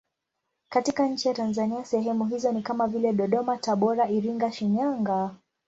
Katika nchi ya Tanzania sehemu hizo ni kama vile Dodoma, Tabora, Iringa, Shinyanga.